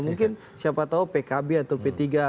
mungkin siapa tahu pkb atau p tiga